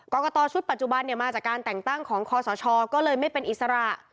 กรกตชุดปัจจุบันมาจากการแต่งตั้งของคอสชก็เลยไม่เป็นอิสระ